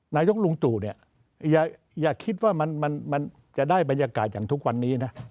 นายกลุงตู่เนี่ยอย่าคิดว่ามันจะได้บรรยากาศอย่างทุกวันนี้นะ